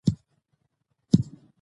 علامه حبیبي تل هڅه کړې چې حقیقت ولیکي.